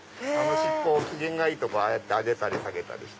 尻尾機嫌がいいとああやって上げたり下げたりして。